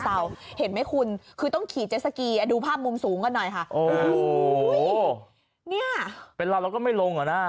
โอ้โหเป็นไรเราก็ไม่ลงเหรอนะ